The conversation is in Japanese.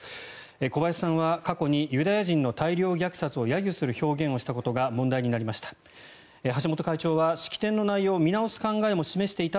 小林さんは過去にユダヤ人の大量虐殺を揶揄する発言をしたことが問題になりました。